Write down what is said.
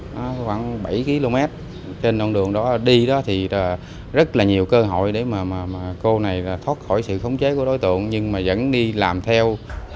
nó khoảng bảy km trên đoạn đường đó đi đó thì rất là nhiều cơ hội để mà cô này là thoát khỏi sự khống chế của đối tượng nhưng mà vẫn đi làm theo